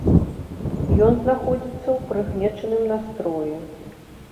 Ён знаходзіцца ў прыгнечаным настроі.